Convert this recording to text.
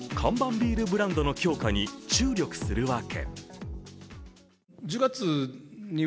ビールブランドの強化に注力するわけ。